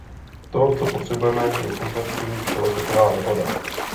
To, co potřebujeme, je komplexní celosvětová dohoda.